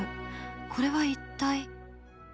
これは一体？